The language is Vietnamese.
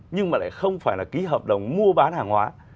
nhưng mà lại không phải là ký hợp đồng mua bán hàng hóa